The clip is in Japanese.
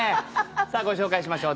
さあご紹介しましょう。